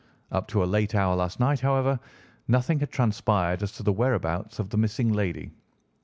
Up to a late hour last night, however, nothing had transpired as to the whereabouts of the missing lady.